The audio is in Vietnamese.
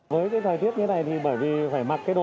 với cái giải thiết như thế này thì bởi vì phải mặc cái đồ